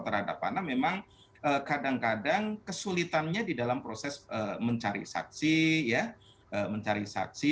terhadap anak memang kadang kadang kesulitannya di dalam proses mencari saksi ya mencari saksi